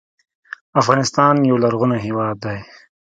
افغانستان یو لرغونی هېواد دی